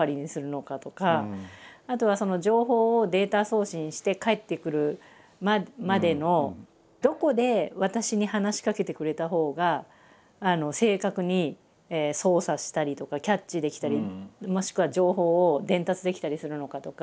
あとは情報をデータ送信して返ってくるまでのどこで私に話しかけてくれたほうが正確に操作したりとかキャッチできたりもしくは情報を伝達できたりするのかとか。